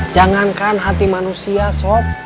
jangankan hati manusia sob